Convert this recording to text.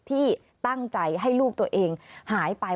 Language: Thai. ที่ตั้งใจให้ลูกตัวเองหายไป